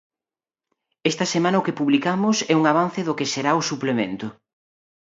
Esta semana o que publicamos é un avance do que será o suplemento.